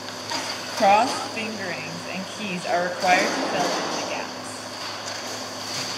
Cross-fingerings and keys are required to fill in the gaps.